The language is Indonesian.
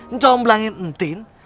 ini cuma berbicara tentang mtin